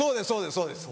そうです